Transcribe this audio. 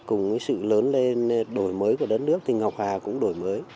cùng với sự lớn lên đổi mới của đất nước thì ngọc hà cũng đổi mới